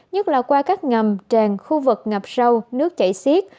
nhất là qua các ngầm tràn khu vực ngập sâu nước chảy xiết